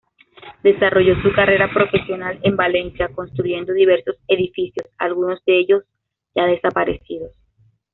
Desarrolló su carrera profesional en Valencia, construyendo diversos edificios, algunos de ellos ya desaparecidos.